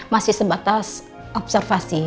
masih sebatas observasi